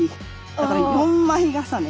だから４枚重ね。